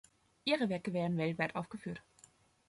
Ihre Werke werden weltweit aufgeführt.